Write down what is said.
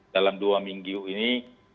dalam dua minggu ini